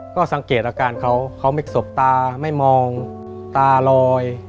ก็สังเกตอาการเขาเขาไม่สบตาไม่มองตาลอย